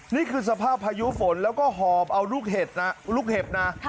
นี่คือสภาพพายุฝนแล้วก็หอบเอารูกเห็บนะ